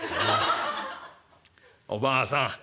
おばあさん